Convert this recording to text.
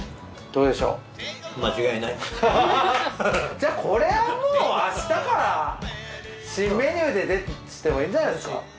じゃあこれはもう明日から新メニューで出てもいいんじゃないですか？